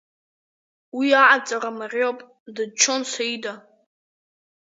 Уи аҟаҵара мариоуп, дыччон Саида.